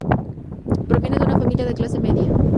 Proviene de una familia de clase media.